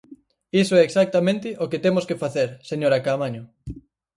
Iso é exactamente o que temos que facer, señora Caamaño.